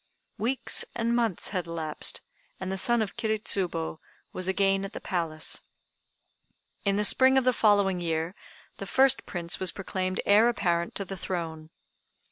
Weeks and months had elapsed, and the son of Kiri Tsubo was again at the Palace. In the spring of the following year the first Prince was proclaimed heir apparent to the throne.